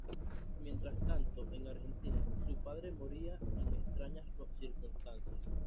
Mientras tanto, en Argentina, su padre moría en extrañas circunstancias.